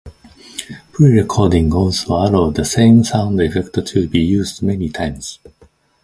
Prerecording also allowed the same sound effect to be used many times.